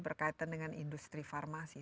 berkaitan dengan industri farmasi